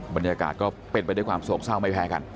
บรรยากาศก็เป็นไปด้วยความโศกเศร้าไม่แพ้กัน